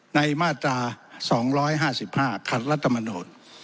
ในมาตรา๒๕๕ขาดรัฐมณส์